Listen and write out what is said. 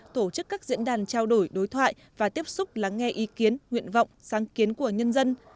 tổ chức các diễn đàn trao đổi đối thoại và tiếp xúc lắng nghe ý kiến nguyện vọng sáng kiến của nhân dân